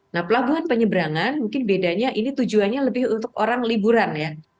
nah pelabuhan penyeberangan mungkin bedanya ini tujuannya lebih untuk orang liburan ya